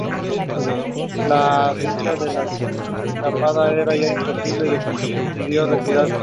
A la vista de que la escapada era ya imposible, decidió rendirse.